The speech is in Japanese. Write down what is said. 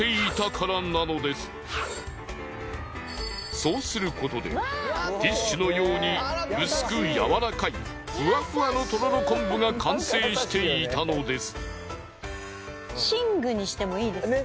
そうすることでティッシュのように薄く柔らかいふわふわのとろろ昆布が完成していたのです。